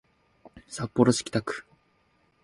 札幌市北区